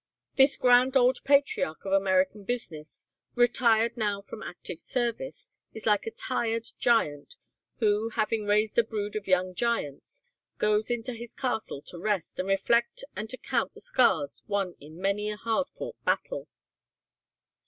"This grand old patriarch of American business, retired now from active service, is like a tired giant, who, having raised a brood of young giants, goes into his castle to rest and reflect and to count the scars won in many a hard fought battle."